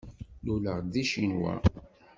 Luleɣ deg Ccinwa.